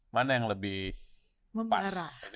mana yang lebih pas